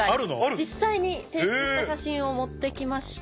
実際に提出した写真を持って来ました。